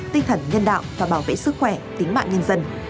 tinh thần nhân đạo và bảo vệ sức khỏe tính mạng nhân dân